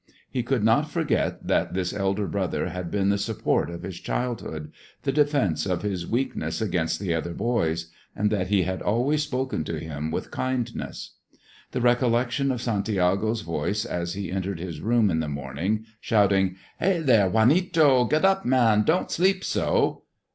He could not forget that this elder brother had been the support of his childhood, the defence of his weakness against the other boys, and that he had always spoken to him with kindness. The recollection of Santiago's voice as he entered his room in the morning, shouting, "Hey there, Juanito! get up, man; don't sleep so!"